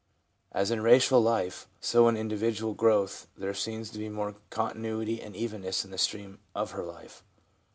As in racial life, so in individual growth there seems to be more continuity and evenness in the stream of her life.